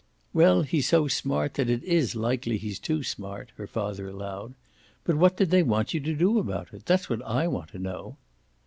"Well, he's so smart that it IS likely he's too smart," her father allowed. "But what did they want you to do about it? that's what I want to know?"